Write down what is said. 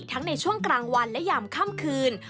ในช่วงกลางวันและยามค่ำคืน